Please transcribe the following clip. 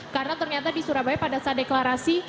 karena ternyata di surabaya pada saat deklarasi